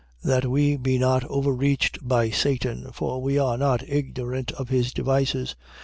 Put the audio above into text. That we be not overreached by Satan. For we are not ignorant of his devices.